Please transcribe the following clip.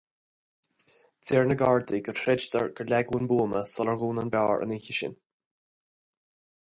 Deir na Gardaí gur chreideadar gur leagadh an buama sular dhún an beár an oíche sin.